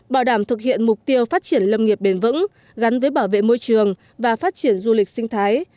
bảo đảm thực hiện mục tiêu phát triển lâm nghiệp bền vững gắn với bảo vệ môi trường và phát triển du lịch sinh thái